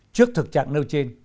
trước thực trạng nâu trên